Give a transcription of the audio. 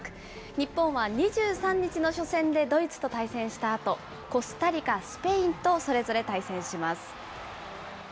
日本は２３日の初戦でドイツと対戦したあと、コスタリカ、スペインとそれぞれ対戦します。